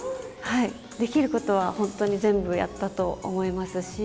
できることは本当に全部やったと思いますし。